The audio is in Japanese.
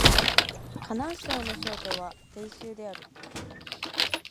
河南省の省都は鄭州である